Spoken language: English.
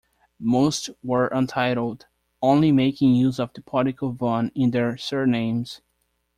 Most were untitled, only making use of the particle "von" in their surnames.